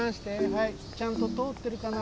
はいちゃんととおってるかな？